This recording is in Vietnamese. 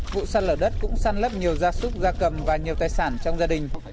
vụ sạt lở đất cũng săn lấp nhiều gia súc gia cầm và nhiều tài sản trong gia đình